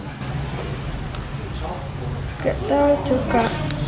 gak tahu juga